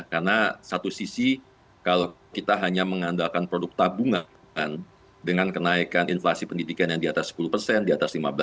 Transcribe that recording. karena satu sisi kalau kita hanya mengandalkan produk tabungan dengan kenaikan inflasi pendidikan yang di atas sepuluh di atas lima belas